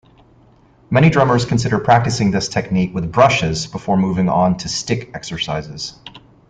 Many drummers consider practicing this technique with brushes before moving on to stick exercises.